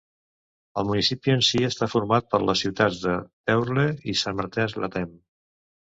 El municipi en si està format per les ciutats de Deurle i Sint-Martens-Latem.